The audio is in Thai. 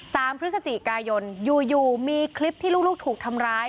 ตามพฤศจิกายนอยู่มีคลิปที่ลูกถูกทำร้าย